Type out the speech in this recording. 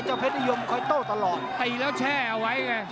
เพชรนิยมคอยโต้ตลอดตีแล้วแช่เอาไว้ไง